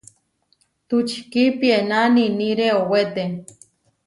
Tučikí piená niʼníre owéte.